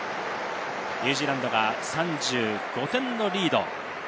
ニュージーランドが３５点のリード。